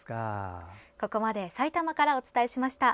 ここまで、埼玉からお伝えしました。